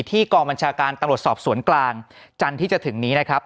ที่กองบัญชาการตำรวจศัพท์ส่วนกลางจันที่จะถึงนี้นะครับ